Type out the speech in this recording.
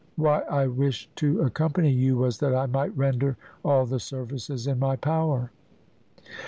Why I wished to accompany you was that I might render all the services in my power."